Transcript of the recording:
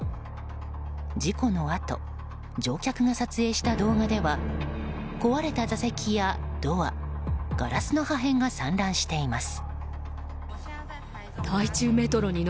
事故のあと乗客が撮影した動画では壊れた座席やドアガラスの破片が散乱しています。